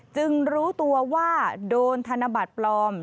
จึงรู้ตัวว่าโดนธนบัตรปลอม